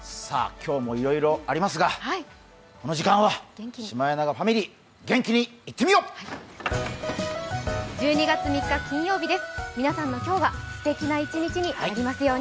今日もいろいろありますがこの時間はシマエナガファミリー元気にいってみよう！